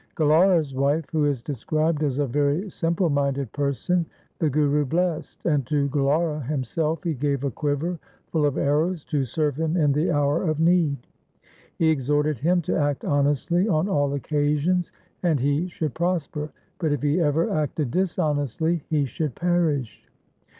Galaura's wife, who is described as a very simple minded person, the Guru blessed, and to Galaura himself he gave a quiver full of arrows to serve him in the hour of need. He exhorted him to act honestly on all occasions and he should prosper, but if he ever acted dishonestly he should perish.